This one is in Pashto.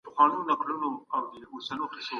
حکومتونه څنګه د خبرو له لاري شخړي حلوي؟